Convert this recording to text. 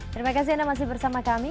terima kasih anda masih bersama kami